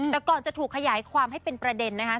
แต่ก่อนจะถูกขยายความให้เป็นประเด็นนะคะ